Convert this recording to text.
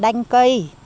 và lấy bỏ